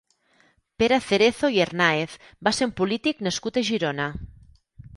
Pere Cerezo i Hernáez va ser un polític nascut a Girona.